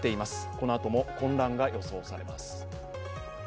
このあとも混乱が予想されます。